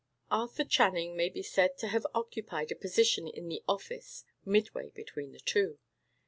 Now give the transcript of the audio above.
Arthur Channing may be said to have occupied a position in the office midway between the two.